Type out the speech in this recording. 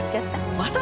また？